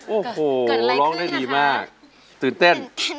โอ้โหร้องได้ดีมากตื่นเต้น